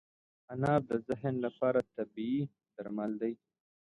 انار د ذهن لپاره طبیعي درمل دی.